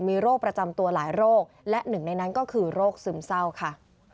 มีโรคประจำตัวหลายโรคและหนึ่งในนั้นก็คือโรคซึมเศร้าค่ะ